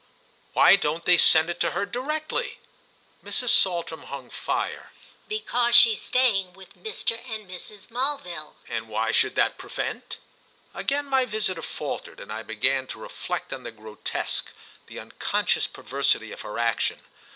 "Why don't they send it to her directly?" Mrs. Saltram hung fire. "Because she's staying with Mr. and Mrs. Mulville." "And why should that prevent?" Again my visitor faltered, and I began to reflect on the grotesque, the unconscious perversity of her action.